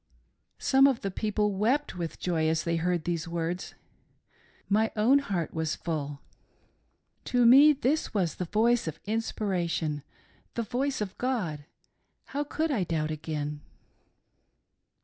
" Some of the people wept with joy as they heard these words. My own heart was full. To me, this was the voice of inspiration — the voice of God — how could I doubt again.'